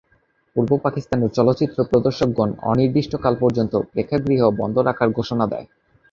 পূর্ব পাকিস্তানের চলচ্চিত্র প্রদর্শকগণ অনির্দিষ্টকাল পর্যন্ত প্রেক্ষাগৃহ বন্ধ রাখার ঘোষণা দেয়।